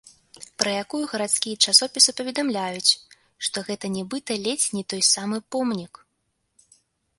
Пра якую гарадскія часопісы паведамляюць, што гэта нібыта ледзь не той самы помнік.